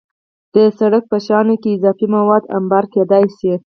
د سړک په شانو کې اضافي مواد انبار کېدای شي